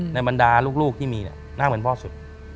บรรดาลูกที่มีหน้าเหมือนพ่อสุด